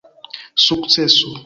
sukceso